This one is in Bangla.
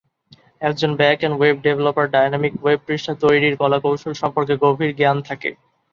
একজন back end web developer dynamic web পৃষ্ঠা তৈরীর কলাকৌশল সম্পর্কে গভীর জ্ঞান থাকে।